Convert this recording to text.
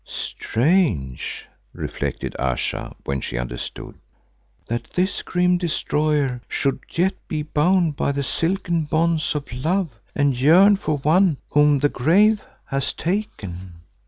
'" "Strange," reflected Ayesha when she understood, "that this grim Destroyer should yet be bound by the silken bonds of love and yearn for one whom the grave has taken.